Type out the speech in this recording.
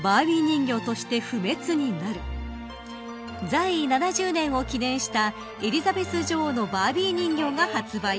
在位７０年を記念したエリザベス女王のバービー人形が発売。